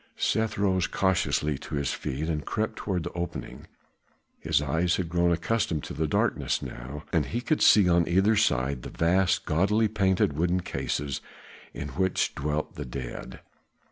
Seth rose cautiously to his feet and crept toward the opening; his eyes had grown accustomed to the darkness now, and he could see on either side the vast gaudily painted wooden cases in which dwelt the dead.